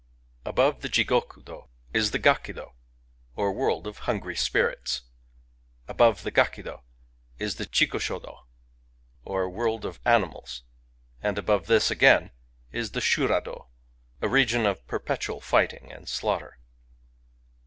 Above the Jigokudo is the Gakidb^ or World of Hungry Spirits; above the Gakido is the Chikushoddy or World of Animals ; and above this, again, is the Sburaddy a region of perpetual fighting and slaughter.